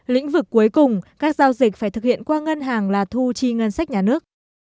lĩnh vực cuối cùng các giao dịch phải thực hiện qua ngân hàng là thu chi ngân sách nhà nước